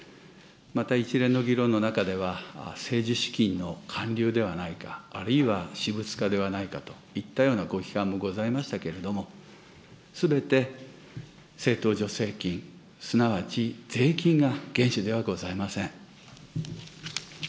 また、一連の議論の中では、政治資金の還流ではないか、あるいは私物化ではないかといったようなご批判もございましたけれども、すべて政党助成金、すなわち税金が原資ではございません。